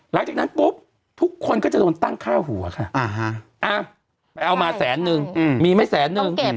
หลังจากนั้นปุ๊บทุกคนก็จะโดนตั้งค่าหัวค่ะไปเอามาแสนนึงมีไม่แสนนึง